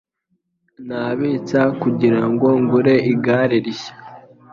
Nabitsa kugirango ngure igare rishya.